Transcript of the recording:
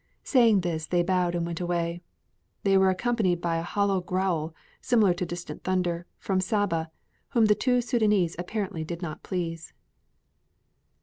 Saying this, they bowed and went away. They were accompanied by a hollow growl, similar to distant thunder, from Saba, whom the two Sudânese apparently did not please.